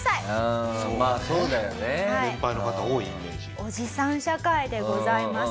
おじさん社会でございます。